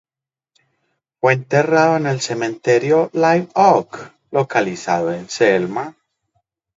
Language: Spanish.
Fue enterrado en el cementerio Live Oak localizado en Selma.